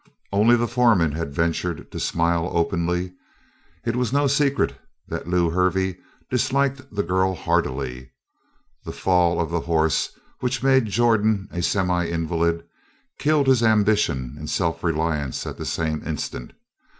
Only the foreman had ventured to smile openly. It was no secret that Lew Hervey disliked the girl heartily. The fall of the horse which made Jordan a semi invalid, killed his ambition and self reliance at the same instant.